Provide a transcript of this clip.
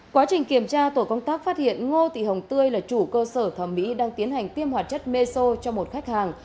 quá trình kiểm tra tổ công tác phát hiện ngô tị hồng tươi là chủ cơ sở thẩm mỹ đang tiến hành tiêm hoạt chất meso cho một khách hàng